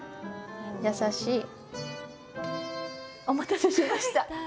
優しい。お待たせしました。